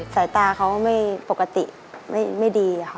สายตาเขาไม่ปกติไม่ดีค่ะ